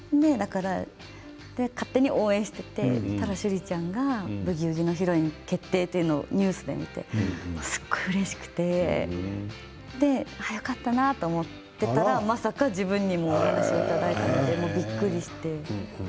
勝手に応援していて趣里ちゃんが「ブギウギ」のヒロイン決定ということをニュースで見てすごくうれしくてよかったなと思っていたらまさか、自分にもお話をいただいたのでびっくりして。